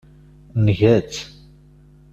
Nga-tt.